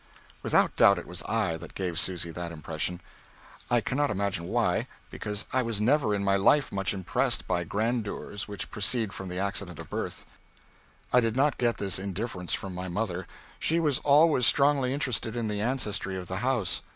Without doubt it was I that gave Susy that impression. I cannot imagine why, because I was never in my life much impressed by grandeurs which proceed from the accident of birth. I did not get this indifference from my mother. She was always strongly interested in the ancestry of the house.